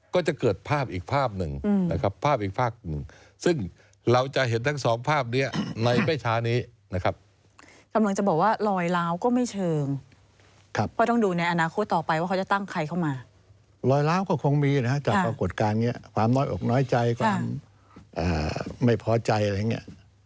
ความล้อเหล้าก็คงมีจากกฎการณ์นี้ความน้อยออกน้อยใจความไม่พอใจหรือยังไง